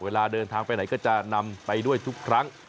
เวลาเดินทางไปไหนก็จะนำไปด้วยทุกครั้ง